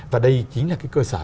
và đây chính là cái cơ sở